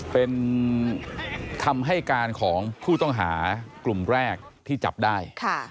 เป็นคำให้การของผู้ต้องหากลุ่มแรกที่จับได้